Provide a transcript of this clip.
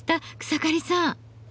草刈さん。